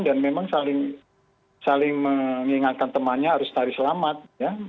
dan memang saling mengingatkan temannya harus cari selamat